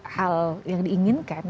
hal yang diinginkan